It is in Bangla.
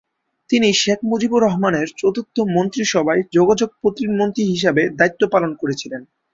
তিনি শেখ মুজিবুর রহমানের চতুর্থ মন্ত্রিসভায় যোগাযোগ প্রতিমন্ত্রী হিসাবে দায়িত্ব পালন করেছিলেন।